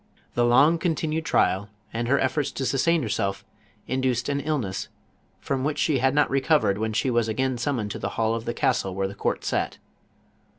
The long continued trial, and her efforts to sus tain herself, induct :! an illness, from which she had not recovered when she was again summoned to the hall of the castle where the court sat.